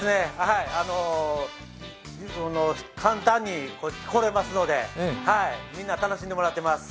簡単に来れますので、みんな楽しんでもらってます。